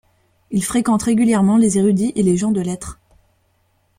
Il fréquente régulièrement les érudits et les gens de lettres.